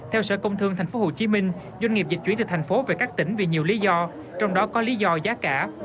theo sở công thương tp hcm doanh nghiệp dịch chuyển từ thành phố về các tỉnh vì nhiều lý do trong đó có lý do giá cả